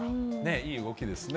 いい動きですね。